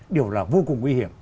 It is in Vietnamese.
điều đó là vô cùng nguy hiểm